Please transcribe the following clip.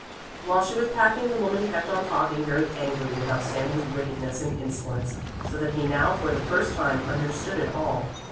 While she was packing the woman kept on talking very angrily about Sami's wickedness and insolence, so that he now for the first time understood it all.